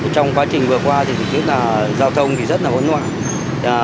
trong quá trình vừa qua thì thật chứa là giao thông rất là vấn ngoạn